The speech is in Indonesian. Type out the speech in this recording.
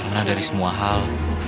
karena dari semua hal